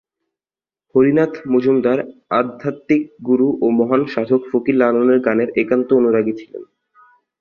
হরিনাথ মজুমদার আধ্যাত্মিক গুরু ও মহান সাধক ফকির লালনের গানের একান্ত অনুরাগী ছিলেন।